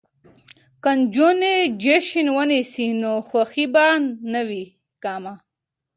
که نجونې جشن ونیسي نو خوښي به نه وي کمه.